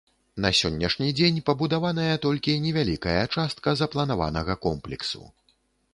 На сённяшні дзень пабудаваная толькі невялікая частка запланаванага комплексу.